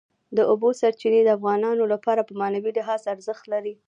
د اوبو سرچینې د افغانانو لپاره په معنوي لحاظ ارزښت لري.